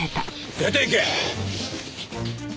出ていけ！